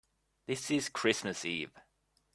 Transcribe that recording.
This is Christmas Eve.